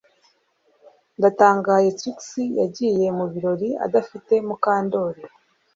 Ndatangaye Trix yagiye mubirori adafite Mukandoli